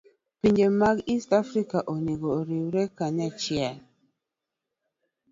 Pinje mag East Africa onego oriwre kanyachiel.